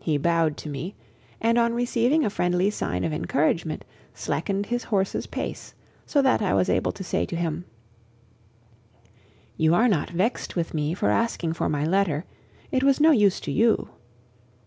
He bowed to me, and on receiving a friendly sign of encouragement, slackened his horse's pace so that I was able to say to him: "You are not vexed with me for asking for my letter; it was no use to you."